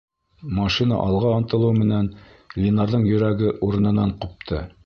Машина алға ынтылыу менән Линарҙың йөрәге урынынан ҡупты.